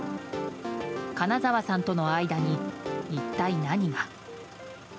金沢さんとの間に一体、何が。